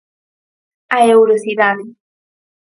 A Eurocidade.